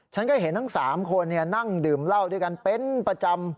ฉันก็เห็นทั้ง๓คนนั่งดื่มเหล้าด้วยกันเป็นประจำ